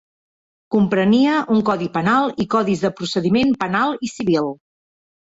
Comprenia un codi penal i codis de procediment penal i civil.